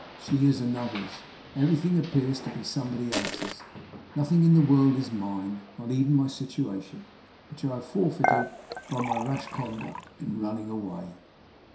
She is Another's. Everything appears to be somebody else's. Nothing in the world is mine not even my Situation which I have forfeited by my rash conduct in running away.